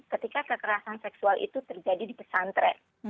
ketika kekerasan seksual itu terjadi di pesantren